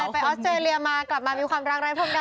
อะไรไปออสเจเรียมากลับมามีความรักไร้พรมแดนเลยเหรอ